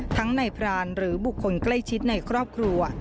ทั้งในพรานหรือบุคคลใกล้ชิดในครอบครัว